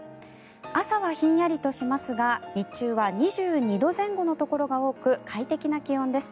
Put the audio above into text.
朝はひんやりとしますが日中は２２度前後のところが多く快適な気温です。